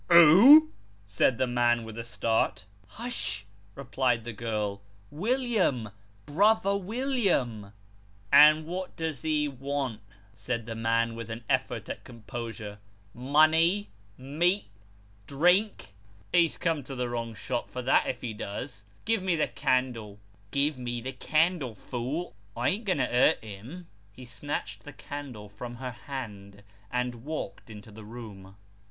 " Who !" said the man with a start. " Hush," replied the girl, " William ; brother William." 372 Sketches by Boz. " And what does he want ?" Baid the man, with an effort at com posure " money ? meat ? drink ? He's come to the wrong shop for that, if he does. Give me the candle give me the candle, fool I ain't going to hurt him." He snatched the candle from her hand, and walked into the room.